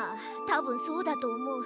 たぶんそうだとおもう。